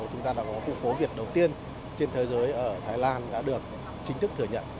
chúng ta đã có khu phố việt đầu tiên trên thế giới ở thái lan đã được chính thức thừa nhận